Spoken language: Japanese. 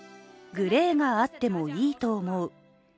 「グレーがあってもいいと思う」